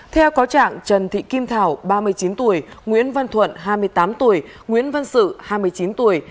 theo có trạng trần thị kim thảo ba mươi chín tuổi nguyễn văn thuận hai mươi tám tuổi nguyễn văn sự hai mươi chín tuổi